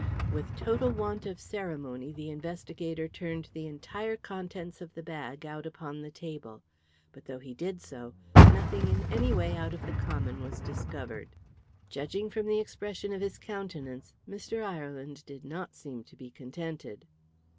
With total want of ceremony the investigator turned the entire contents of the bag out upon the table. But though he did so, nothing in any way out of the common was discovered. Judging from the expression of his countenance, Mr. Ireland did not seem to be contented.